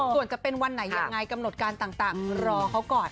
ส่วนจะเป็นวันไหนยังไงกำหนดการต่างรอเขาก่อน